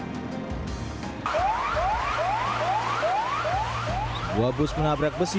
sebuah bus menabrak besi